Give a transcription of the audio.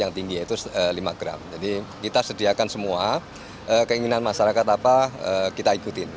yang tinggi yaitu lima gram jadi kita sediakan semua keinginan masyarakat apa kita ikutin